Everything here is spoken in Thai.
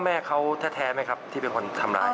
แม่เขาแท้ไหมครับที่เป็นคนทำร้าย